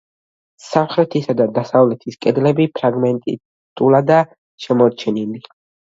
სამხრეთისა და დასავლეთის კედლები ფრაგმენტულადაა შემორჩენილი.